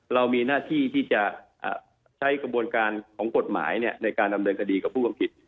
เรามีหน้าที่ที่จะใช้กระบวนการของกฎหมายในการดำเนินคดีกับผู้ทำผิด